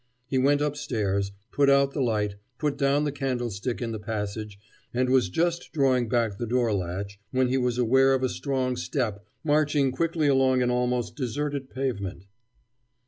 He went upstairs, put out the light, put down the candlestick in the passage, and was just drawing back the door latch, when he was aware of a strong step marching quickly along an almost deserted pavement.